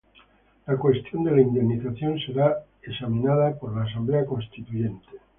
La cuestión de la indemnización será examinada por la Asamblea Constituyente.